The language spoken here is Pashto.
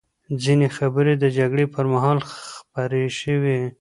ځینې خبرې د جګړې پر مهال خپرې شوې.